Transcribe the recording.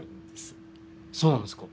そうなんですか。